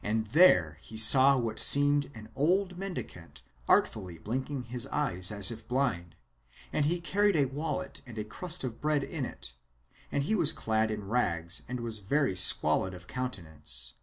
And there he saw an old mendicant artfully blinking his eyes like a blind man, and he carried a wallet and a crust of bread in it; and he was clad in rags and was very squalid of countenance.